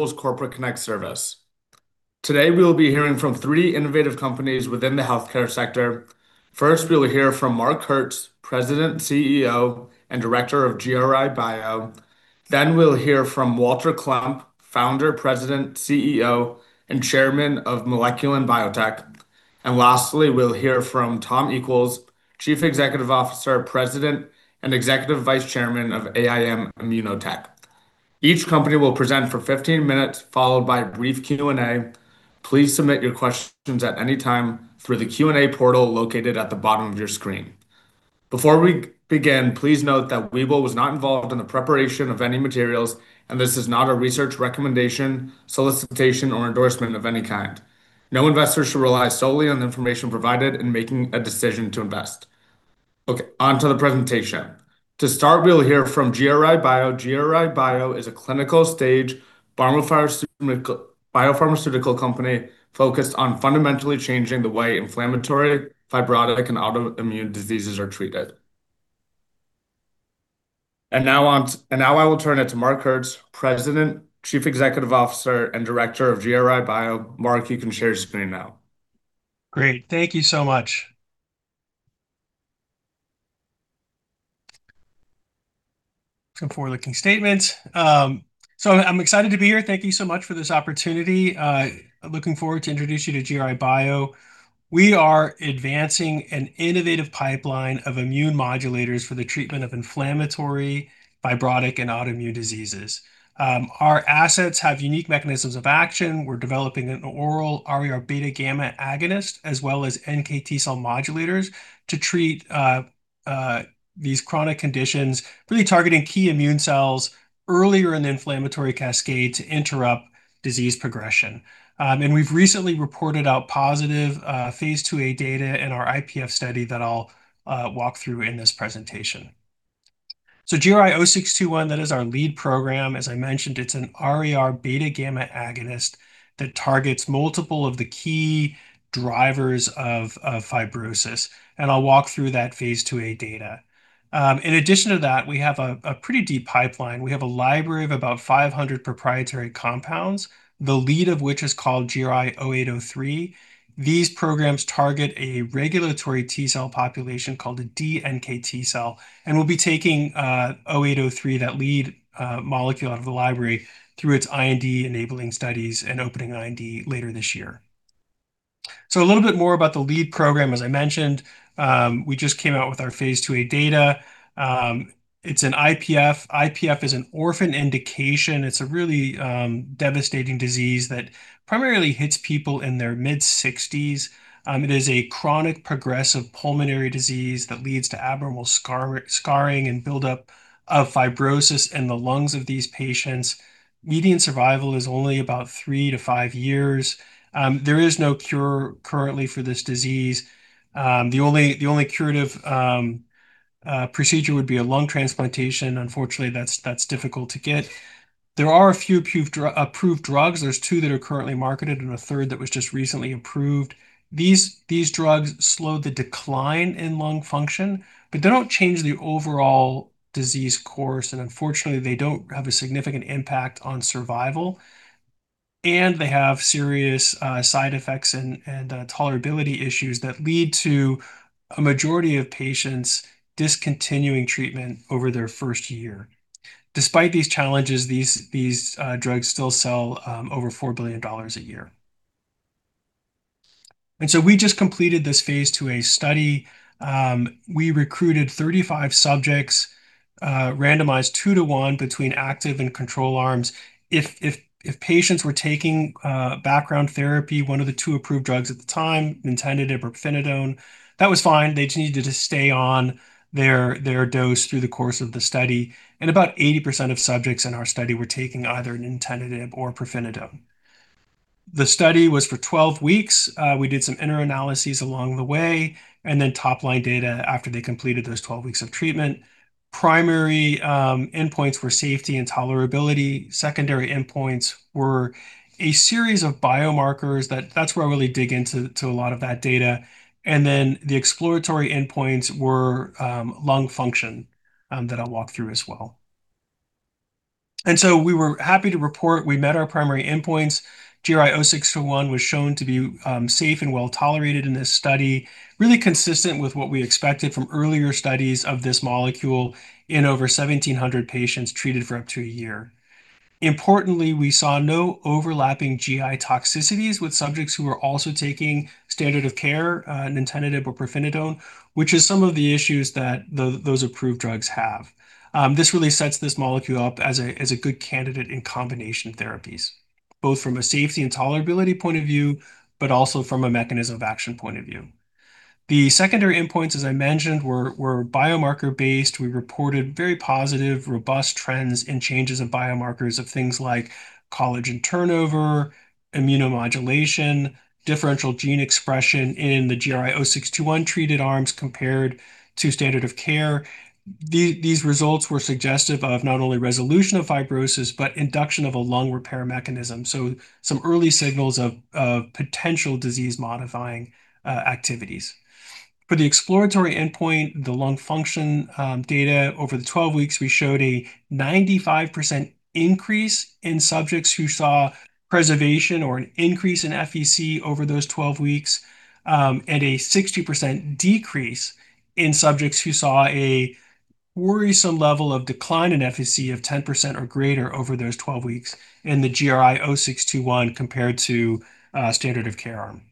Host: Corporate Connect service. Today we'll be hearing from three innovative companies within the healthcare sector. First, we'll hear from Marc Hertz, President, CEO, and Director of GRI Bio. Then we'll hear from Walter Klemp, Founder, President, CEO, and Chairman of Moleculin Biotech. And lastly, we'll hear from Thomas K. Equels, Chief Executive Officer, President, and Executive Vice Chairman of AIM ImmunoTech. Each company will present for 15 minutes, followed by a brief Q&A. Please submit your questions at any time through the Q&A portal located at the bottom of your screen. Before we begin, please note that Webull was not involved in the preparation of any materials, and this is not a research recommendation, solicitation, or endorsement of any kind. No investors should rely solely on the information provided in making a decision to invest. Okay, onto the presentation. To start, we'll hear from GRI Bio. GRI Bio is a clinical-stage biopharmaceutical company focused on fundamentally changing the way inflammatory, fibrotic, and autoimmune diseases are treated. Now I will turn it to Marc Hertz, President, Chief Executive Officer, and Director of GRI Bio. Marc, you can share your screen now. Great. Thank you so much. Some forward-looking statements. So I'm excited to be here. Thank you so much for this opportunity. Looking forward to introducing you to GRI Bio. We are advancing an innovative pipeline of immune modulators for the treatment of inflammatory, fibrotic, and autoimmune diseases. Our assets have unique mechanisms of action. We're developing an oral RAR beta gamma agonist as well as NKT-cell modulators to treat these chronic conditions, really targeting key immune cells earlier in the inflammatory cascade to interrupt disease progression. We've recently reported out positive phase 2A data in our IPF study that I'll walk through in this presentation. So GRI-0621, that is our lead program. As I mentioned, it's an RAR beta gamma agonist that targets multiple of the key drivers of fibrosis. I'll walk through that phase 2A data. In addition to that, we have a pretty deep pipeline. We have a library of about 500 proprietary compounds, the lead of which is called GRI-0803. These programs target a regulatory T-cell population called a dNKT cell and will be taking 0803, that lead molecule out of the library, through its IND-enabling studies and opening IND later this year. So a little bit more about the lead program. As I mentioned, we just came out with our phase 2A data. It's an IPF. IPF is an orphan indication. It's a really devastating disease that primarily hits people in their mid-60s. It is a chronic progressive pulmonary disease that leads to abnormal scarring and buildup of fibrosis in the lungs of these patients. Median survival is only about 3-5 years. There is no cure currently for this disease. The only curative procedure would be a lung transplantation. Unfortunately, that's difficult to get. There are a few approved drugs. There's 2 that are currently marketed and a third that was just recently approved. These drugs slow the decline in lung function, but they don't change the overall disease course. Unfortunately, they don't have a significant impact on survival. They have serious side effects and tolerability issues that lead to a majority of patients discontinuing treatment over their first year. Despite these challenges, these drugs still sell over $4 billion a year. We just completed this phase 2A study. We recruited 35 subjects, randomized 2 to 1 between active and control arms. If patients were taking background therapy, 1 of the 2 approved drugs at the time, nintedanib or pirfenidone, that was fine. They just needed to stay on their dose through the course of the study. About 80% of subjects in our study were taking either nintedanib or pirfenidone. The study was for 12 weeks. We did some interim analyses along the way and then top-line data after they completed those 12 weeks of treatment. Primary endpoints were safety and tolerability. Secondary endpoints were a series of biomarkers. That's where I really dig into a lot of that data. And then the exploratory endpoints were lung function that I'll walk through as well. And so we were happy to report we met our primary endpoints. GRI-0621 was shown to be safe and well-tolerated in this study, really consistent with what we expected from earlier studies of this molecule in over 1,700 patients treated for up to a year. Importantly, we saw no overlapping GI toxicities with subjects who were also taking standard of care, nintedanib or pirfenidone, which is some of the issues that those approved drugs have. This really sets this molecule up as a good candidate in combination therapies, both from a safety and tolerability point of view, but also from a mechanism of action point of view. The secondary endpoints, as I mentioned, were biomarker-based. We reported very positive, robust trends in changes of biomarkers of things like collagen turnover, immunomodulation, differential gene expression in the GRI-0621 treated arms compared to standard of care. These results were suggestive of not only resolution of fibrosis but induction of a lung repair mechanism, so some early signals of potential disease-modifying activities. For the exploratory endpoint, the lung function data over the 12 weeks, we showed a 95% increase in subjects who saw preservation or an increase in FVC over those 12 weeks and a 60% decrease in subjects who saw a worrisome level of decline in FVC of 10% or greater over those 12 weeks in the GRI-0621 compared to standard of care arm.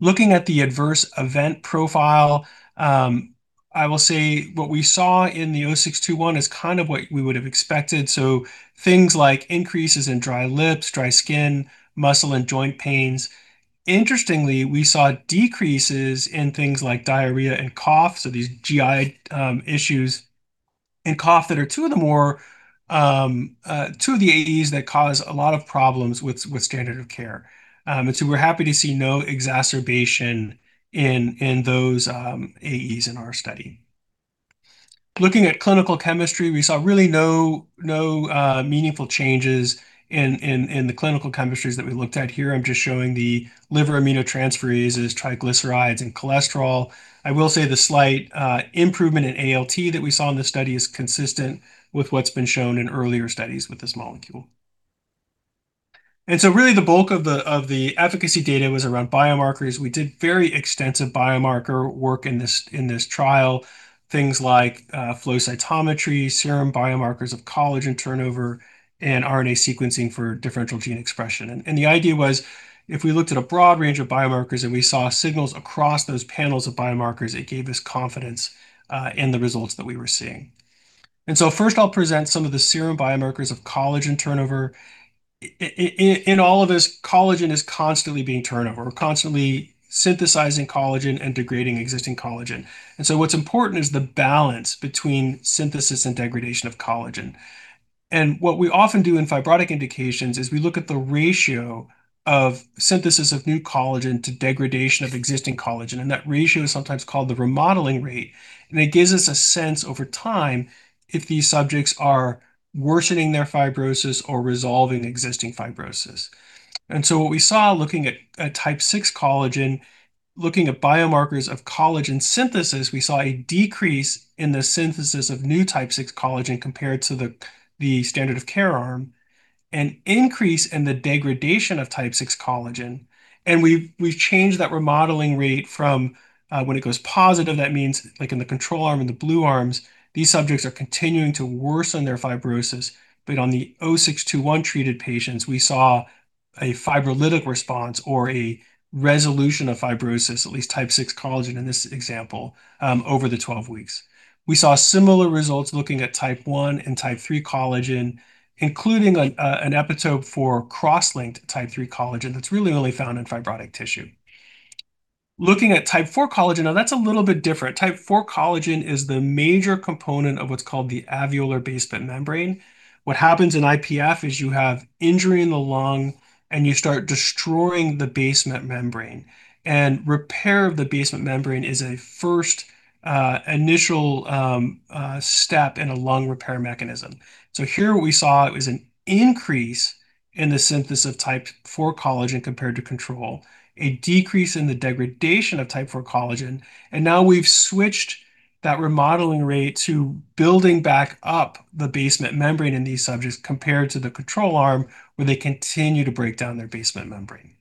Looking at the adverse event profile, I will say what we saw in the GRI-0621 is kind of what we would have expected. So things like increases in dry lips, dry skin, muscle, and joint pains. Interestingly, we saw decreases in things like diarrhea and cough, so these GI issues, and cough that are two of the more two of the AEs that cause a lot of problems with standard of care. And so we're happy to see no exacerbation in those AEs in our study. Looking at clinical chemistry, we saw really no meaningful changes in the clinical chemistries that we looked at here. I'm just showing the liver aminotransferases, triglycerides, and cholesterol. I will say the slight improvement in ALT that we saw in this study is consistent with what's been shown in earlier studies with this molecule. And so really, the bulk of the efficacy data was around biomarkers. We did very extensive biomarker work in this trial, things like flow cytometry, serum biomarkers of collagen turnover, and RNA sequencing for differential gene expression. And the idea was, if we looked at a broad range of biomarkers and we saw signals across those panels of biomarkers, it gave us confidence in the results that we were seeing. And so first, I'll present some of the serum biomarkers of collagen turnover. In all of this, collagen is constantly being turned over. We're constantly synthesizing collagen and degrading existing collagen. And so what's important is the balance between synthesis and degradation of collagen. And what we often do in fibrotic indications is we look at the ratio of synthesis of new collagen to degradation of existing collagen. And that ratio is sometimes called the remodeling rate. And it gives us a sense over time if these subjects are worsening their fibrosis or resolving existing fibrosis. And so what we saw looking at type 6 collagen, looking at biomarkers of collagen synthesis, we saw a decrease in the synthesis of new type 6 collagen compared to the standard of care arm, an increase in the degradation of type 6 collagen. And we've changed that remodeling rate from when it goes positive. That means, like in the control arm and the blue arms, these subjects are continuing to worsen their fibrosis. But on the GRI-0621 treated patients, we saw a fibrolytic response or a resolution of fibrosis, at least type 6 collagen in this example, over the 12 weeks. We saw similar results looking at type 1 and type 3 collagen, including an epitope for cross-linked type 3 collagen that's really only found in fibrotic tissue. Looking at type 4 collagen, now that's a little bit different. Type 4 collagen is the major component of what's called the alveolar basement membrane. What happens in IPF is you have injury in the lung and you start destroying the basement membrane. And repair of the basement membrane is a first initial step in a lung repair mechanism. So here what we saw was an increase in the synthesis of type 4 collagen compared to control, a decrease in the degradation of type 4 collagen. Now we've switched that remodeling rate to building back up the basement membrane in these subjects compared to the control arm where they continue to break down their basement membrane.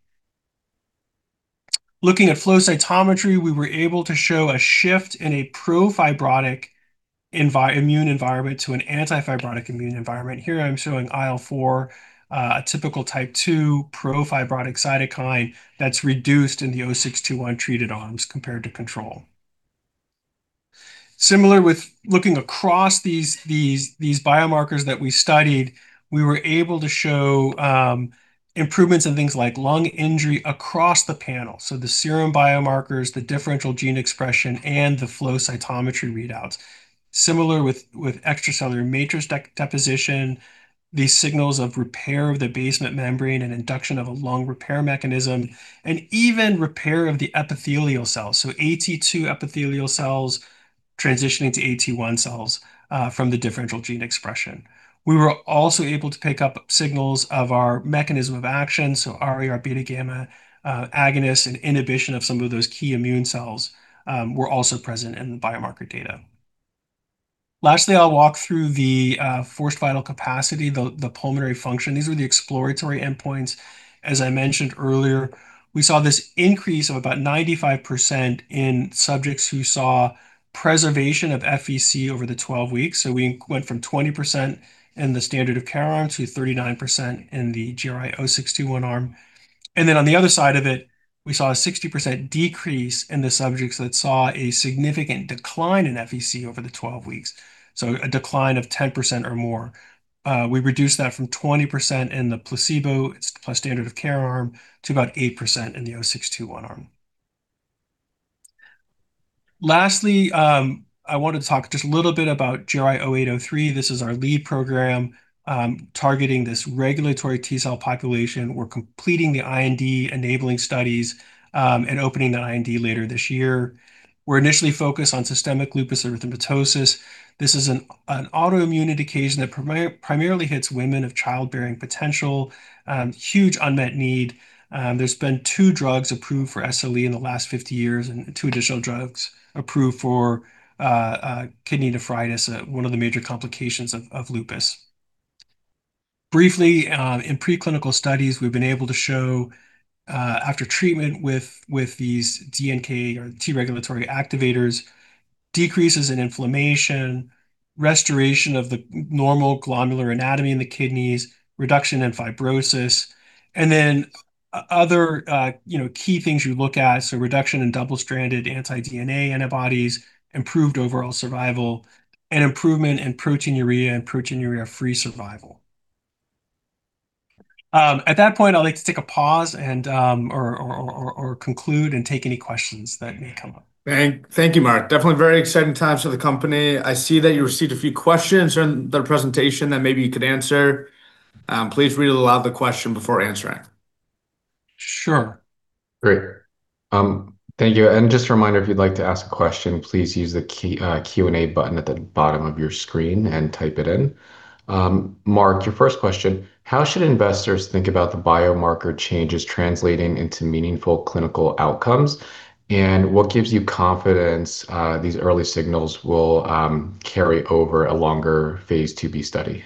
Looking at flow cytometry, we were able to show a shift in a profibrotic immune environment to an antifibrotic immune environment. Here I'm showing IL-4, a typical type 2 profibrotic cytokine that's reduced in the 0621 treated arms compared to control. Similar with looking across these biomarkers that we studied, we were able to show improvements in things like lung injury across the panel. So the serum biomarkers, the differential gene expression, and the flow cytometry readouts. Similar with extracellular matrix deposition, these signals of repair of the basement membrane and induction of a lung repair mechanism, and even repair of the epithelial cells, so AT2 epithelial cells transitioning to AT1 cells from the differential gene expression. We were also able to pick up signals of our mechanism of action. So RAR beta gamma agonist and inhibition of some of those key immune cells were also present in the biomarker data. Lastly, I'll walk through the forced vital capacity, the pulmonary function. These were the exploratory endpoints. As I mentioned earlier, we saw this increase of about 95% in subjects who saw preservation of FVC over the 12 weeks. So we went from 20% in the standard of care arm to 39% in the GRI-0621 arm. And then on the other side of it, we saw a 60% decrease in the subjects that saw a significant decline in FVC over the 12 weeks, so a decline of 10% or more. We reduced that from 20% in the placebo plus standard of care arm to about 8% in the 0621 arm. Lastly, I wanted to talk just a little bit about GRI-0803. This is our lead program targeting this regulatory T-cell population. We're completing the IND-enabling studies and opening the IND later this year. We're initially focused on systemic lupus erythematosus. This is an autoimmune indication that primarily hits women of childbearing potential. Huge unmet need. There's been two drugs approved for SLE in the last 50 years and two additional drugs approved for kidney nephritis, one of the major complications of lupus. Briefly, in preclinical studies, we've been able to show after treatment with these dNKT or T-regulatory activators, decreases in inflammation, restoration of the normal glomerular anatomy in the kidneys, reduction in fibrosis. And then other key things you look at, so reduction in double-stranded anti-DNA antibodies, improved overall survival, and improvement in proteinuria and proteinuria-free survival. At that point, I'd like to take a pause and conclude and take any questions that may come up. Thank you, Marc. Definitely very exciting times for the company. I see that you received a few questions during the presentation that maybe you could answer. Please read aloud the question before answering. Sure. Great. Thank you. And just a reminder, if you'd like to ask a question, please use the Q&A button at the bottom of your screen and type it in. Marc, your first question: How should investors think about the biomarker changes translating into meaningful clinical outcomes? And what gives you confidence these early signals will carry over a longer phase 2b study?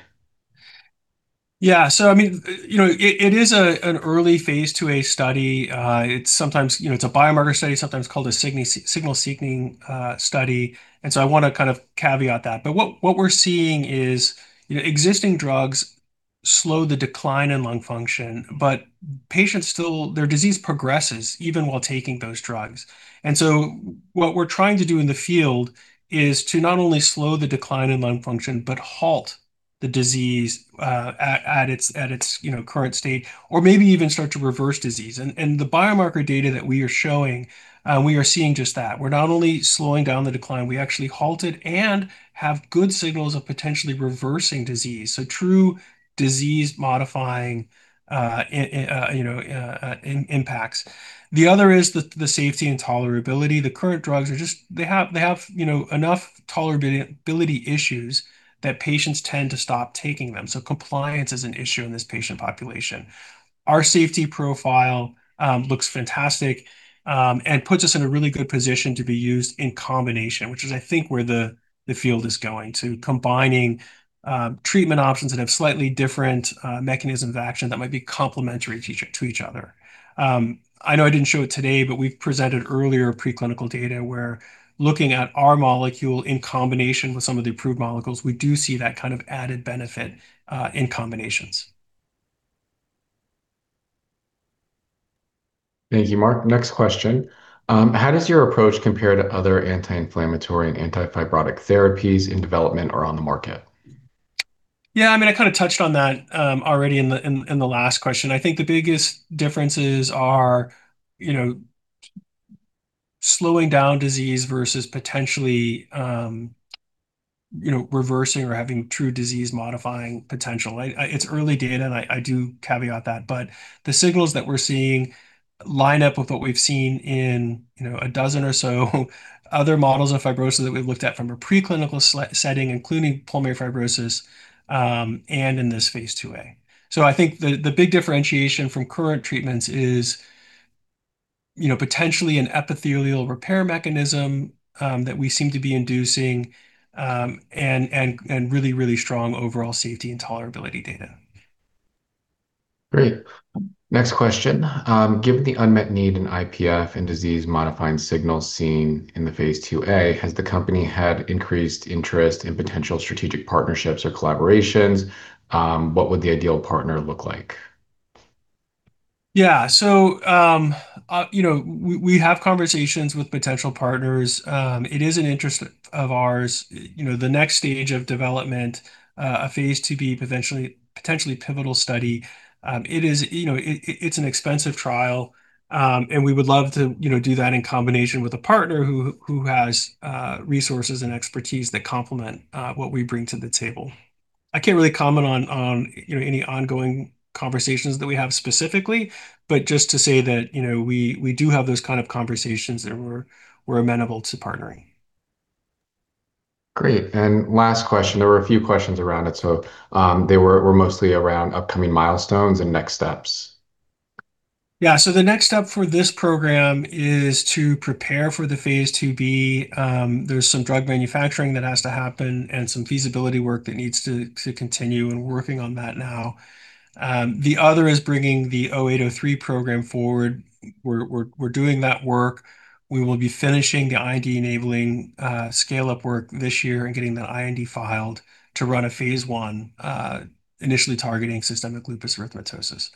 Yeah. So, I mean, it is an early phase 2a study. It's sometimes a biomarker study, sometimes called a signal-seeking study. And so I want to kind of caveat that. But what we're seeing is existing drugs slow the decline in lung function, but patients still their disease progresses even while taking those drugs. And so what we're trying to do in the field is to not only slow the decline in lung function but halt the disease at its current state or maybe even start to reverse disease. And the biomarker data that we are showing, we are seeing just that. We're not only slowing down the decline, we actually halt it and have good signals of potentially reversing disease. So true disease-modifying impacts. The other is the safety and tolerability. The current drugs are just they have enough tolerability issues that patients tend to stop taking them. So compliance is an issue in this patient population. Our safety profile looks fantastic and puts us in a really good position to be used in combination, which is, I think, where the field is going, to combining treatment options that have slightly different mechanisms of action that might be complementary to each other. I know I didn't show it today, but we've presented earlier preclinical data where looking at our molecule in combination with some of the approved molecules, we do see that kind of added benefit in combinations. Thank you, Marc. Next question, how does your approach compare to other anti-inflammatory and antifibrotic therapies in development or on the market? Yeah. I mean, I kind of touched on that already in the last question. I think the biggest differences are slowing down disease versus potentially reversing or having true disease-modifying potential. It's early data, and I do caveat that. But the signals that we're seeing line up with what we've seen in a dozen or so other models of fibrosis that we've looked at from a preclinical setting, including pulmonary fibrosis and in this phase 2A. So I think the big differentiation from current treatments is potentially an epithelial repair mechanism that we seem to be inducing and really, really strong overall safety and tolerability data. Great. Next question, given the unmet need in IPF and disease-modifying signals seen in the phase 2A, has the company had increased interest in potential strategic partnerships or collaborations? What would the ideal partner look like? Yeah. So we have conversations with potential partners. It is an interest of ours, the next stage of development, a phase 2B potentially pivotal study. It's an expensive trial, and we would love to do that in combination with a partner who has resources and expertise that complement what we bring to the table. I can't really comment on any ongoing conversations that we have specifically, but just to say that we do have those kind of conversations and we're amenable to partnering. Great. And last question. There were a few questions around it, so they were mostly around upcoming milestones and next steps. Yeah. So the next step for this program is to prepare for the phase 2B. There's some drug manufacturing that has to happen and some feasibility work that needs to continue, and we're working on that now. The other is bringing the 0803 program forward. We're doing that work. We will be finishing the IND-enabling scale-up work this year and getting that IND filed to run a phase 1, initially targeting systemic lupus erythematosus.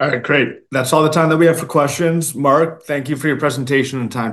All right. Great. That's all the time that we have for questions. Marc, thank you for your presentation and time today.